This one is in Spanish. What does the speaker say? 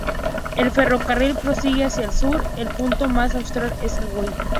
El ferrocarril prosigue hacia el sur; el punto más austral es Wau.